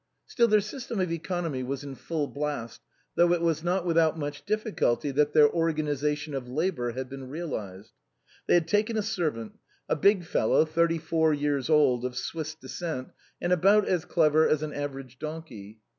Still their system of enconomy was in full blast, though it was not without much difficulty that their " or ganization of labor " had been realized. They had taken a servant ; a big fellow thirty four years old, of Swiss descent, and about as clever as an average donkey.